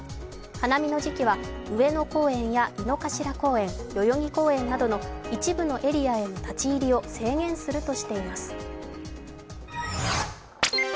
花見の時期は、上野公園や井の頭公園、代々木公園などの一部のエリアへの立ち入りを制限するとしています。